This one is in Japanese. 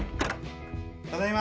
ただいま。